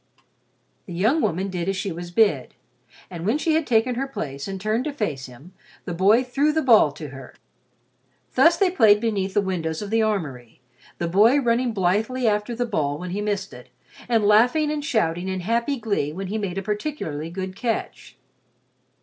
The young woman did as she was bid, and when she had taken her place and turned to face him the boy threw the ball to her. Thus they played beneath the windows of the armory, the boy running blithely after the ball when he missed it, and laughing and shouting in happy glee when he made a particularly good catch.